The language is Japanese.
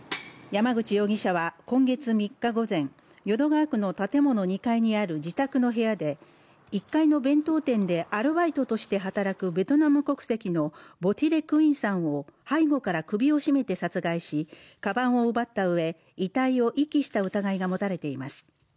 山口容疑者は今月３日午前、淀川区の建物２階にある自宅の部屋で１階の弁当店でアルバイトとして働くベトナム国籍のヴォ・ティ・レ・クインさんを背後から首を絞めて殺害しかばんを奪ったうえ遺体を遺棄した疑いが持たれています。